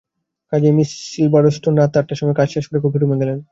কাজেই Miss Silverstone রাত আটটার সময় কাজ শেষ করে কফিরুমে গেলেন।